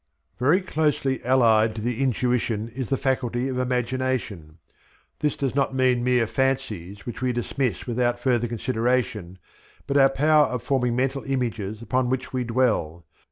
Very closely allied to the intuition is the faculty of imagination. This does not mean mere fancies, which we dismiss without further consideration, but our power of forming mental images upon which we dwell.